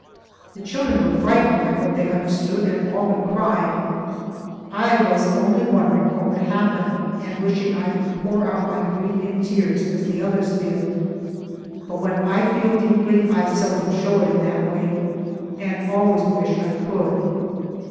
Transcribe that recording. The children were frightened by what they understood, and all but cried. I was only wondering what would happen, and wishing I could pour out my grief in tears, as the others did; but when I feel deeply I seldom show it in that way, and always wish I could.